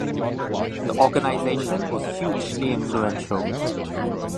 The organization was hugely influential.